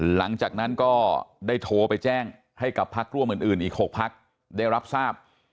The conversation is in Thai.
หลังจากนั้นก็ได้โทรไปแจ้งให้กับพักร่วมอื่นอีก๖พักได้รับทราบ